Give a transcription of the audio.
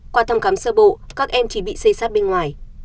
qua thăm khám sơ bộ các em chỉ bị xây sát bên ngoài